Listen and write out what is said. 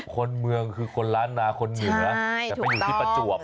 คนเมืองคือคนล้านนาคนเหนือแต่ไปอยู่ที่ประจวบ